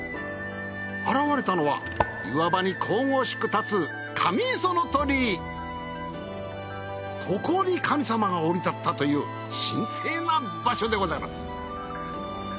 現れたのは岩場に神々しく立つここに神様が降り立ったという神聖な場所でございます。